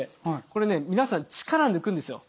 これね皆さん力抜くんですよ。